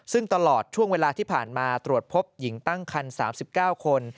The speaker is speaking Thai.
ซึ่งตลอดช่วงเวลาที่ผ่านมาตรวจพบหญิงตั้งคัน๓๙คน